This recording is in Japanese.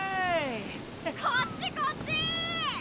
こっちこっち！